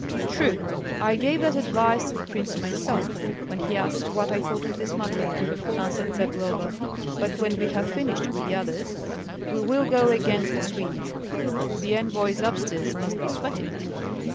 "True, I gave that advice to the prince myself, when he asked what I thought of this matter," answered Zagloba. "But when we have finished with the others, we will go against the Swedes. The envoys upstairs must be sweating!"